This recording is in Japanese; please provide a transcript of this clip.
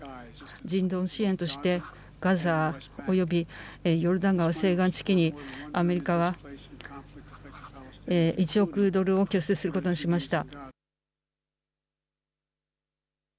人道支援としてガザおよびヨルダン川西岸地区にアメリカは１億ドルを寄付することにしました。